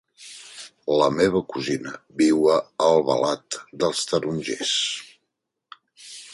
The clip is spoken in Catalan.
La meva cosina viu a Albalat dels Tarongers.